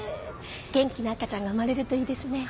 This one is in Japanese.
元気な赤ちゃんが生まれるといいですね。